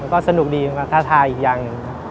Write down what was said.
ก็สนุกดีมาท่าทาอีกอย่าง